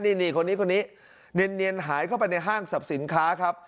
นี่คนนี้คนนี้เนียนหายเข้าไปในห้างสรรพสินค้าครับ